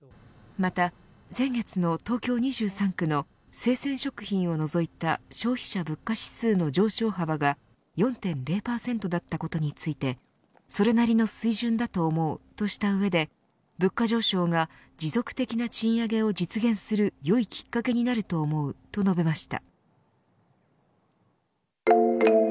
また、先月の東京２３区の生鮮食品を除いた消費者物価指数の上昇幅が４．０％だったことについてそれなりの水準だと思うとした上で物価上昇が持続的な賃上げを実現するよいきっかけになると思うと述べました。